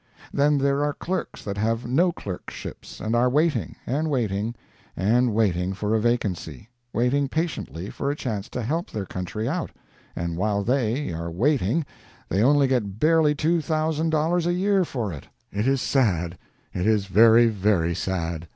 Then there are clerks that have no clerkships, and are waiting, and waiting, and waiting for a vacancy waiting patiently for a chance to help their country out and while they are waiting, they only get barely two thousand dollars a year for it. It is sad it is very, very sad.